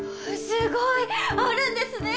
すごい！あるんですね